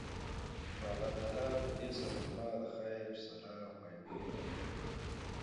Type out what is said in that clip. نو الله تعالی پدي سره زما د خير، صلاح او فائدي اراده کړي ده